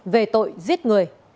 về tội giết người